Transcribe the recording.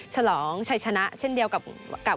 ฉลองชัยชนะเช่นเดียวกับ